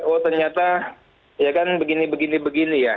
oh ternyata ya kan begini begini ya